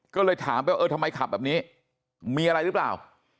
ก็เลยถามไปเออทำไมขับแบบนี้มีอะไรหรือเปล่า